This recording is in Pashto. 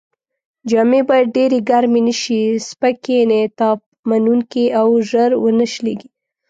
جامې باید ډېرې ګرمې نه شي، سپکې، انعطاف منوونکې او ژر و نه شلېږي.